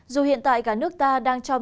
dù hiện tại cả nước ta đang trong